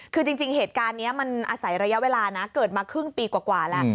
คือจริงเหตุการณ์นี้มันอาศัยระยะเวลานะเกิดมาครึ่งปีกว่าแล้ว